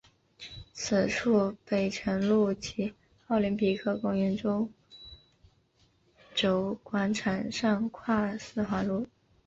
此处北辰路及奥林匹克公园中轴广场上跨四环路。